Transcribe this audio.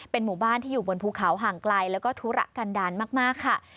หมู่บ้านที่อยู่บนภูเขาห่างไกลแล้วก็ธุระกันดาลมากค่ะ